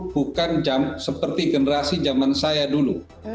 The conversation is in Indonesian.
bukan seperti generasi zaman saya dulu